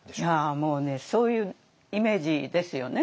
もうねそういうイメージですよね。